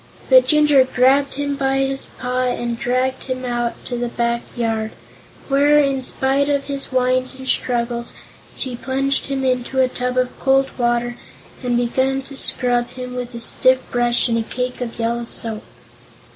But Jinjur grabbed him by his paw and dragged him out to the back yard, where, in spite of his whines and struggles, she plunged him into a tub of cold water and began to scrub him with a stiff brush and a cake of yellow soap.